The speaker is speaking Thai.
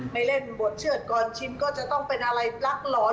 ไม่เล่นบทเชื่อดก่อนชิมก็จะต้องเป็นอะไรรักหลอน